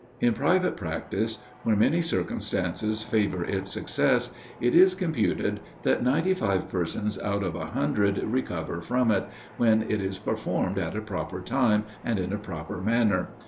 In private practice, where many circumstances favor its success, it is computed that 95 persons out of 100 recover from it, when it is performed at a proper time, and in a proper manner.